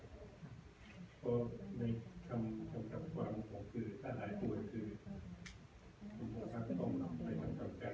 ก็ในคำตำความว่าหายป่วยคือคุณผู้กอมต้องความทำการแสดงยังไม่ถึงขั้นละหนะครับ